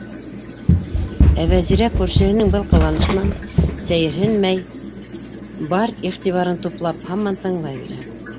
Ә Вәзирә күршеһенең был ҡыланышынан сәйерһенмәй, бар иғтибарын туплап һаман тыңлай бирә: